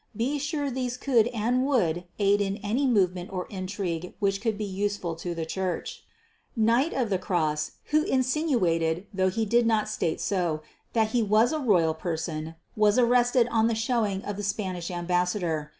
Be sure these could and would aid in any movement or intrigue which could be useful to the Church. "The Knight of the Cross" who insinuated, though he did not state so, that he was a Royal person was arrested on the showing of the Spanish Ambassador.